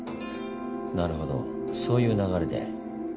なるほどそういう流れで。